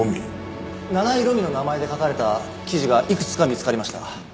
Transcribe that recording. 七井路美の名前で書かれた記事がいくつか見つかりました。